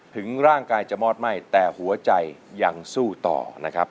ถึงร่างกายจะมอดไหม้แต่หัวใจยังสู้ต่อนะครับ